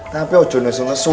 tapi wajoh nesu nesu